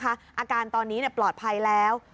อาการตอนนี้ปลอดภัยแล้ว